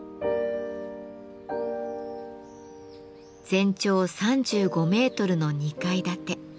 全長３５メートルの２階建て。